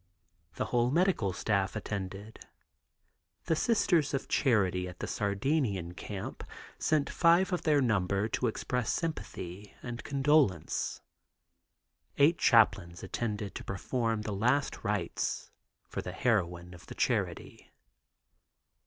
The whole medical staff attended. The Sisters of Charity at the Sardinian camp sent five of their number to express sympathy and condolence. Eight chaplains attended to perform the last rites for the heroine of charity.